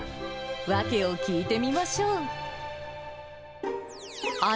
訳を聞いてみましょう。